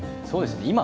そうですよね